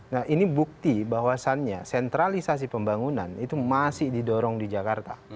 nah ini bukti bahwasannya sentralisasi pembangunan itu masih didorong di jakarta